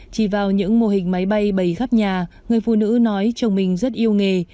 chỉ vào những mô hình máy bay bầy khắp nhà người phụ nữ nói chồng mình rất yêu nghề